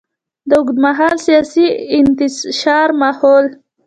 د اوږدمهاله سیاسي انتشار ماحول.